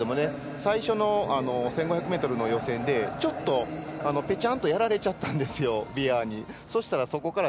最初の１５００ｍの予選でちょっとぺちゃんとやられちゃったんですよ。